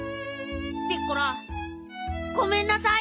ピッコラごめんなさい。